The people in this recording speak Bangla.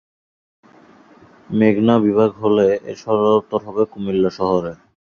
মেঘনা বিভাগ হলে এর সদরদপ্তর হবে কুমিল্লা শহর।